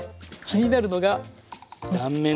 気になるのが断面！